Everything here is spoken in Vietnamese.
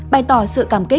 bày tỏ sự cảm kích và chia sẻ